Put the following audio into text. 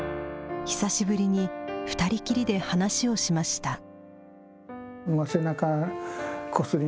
久しぶりに２人きりで話をしました。